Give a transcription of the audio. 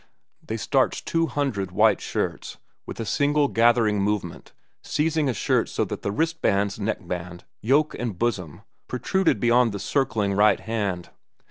They starched two hundred white shirts, with a single gathering movement seizing a shirt so that the wristbands, neckband, yoke, and bosom protruded beyond the circling right hand.